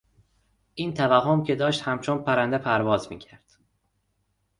این توهم که داشت همچون پرنده پرواز میکرد